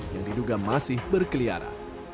yang diduga masih berkeliaran